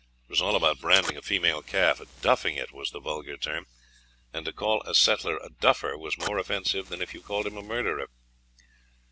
It was all about branding a female calf; "duffing it" was the vulgar term, and to call a settler "duffer" was more offensive than if you called him a murderer.